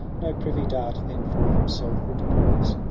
No privy dart then for himself would poise